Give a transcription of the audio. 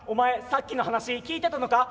さっきの話聞いてたのか」。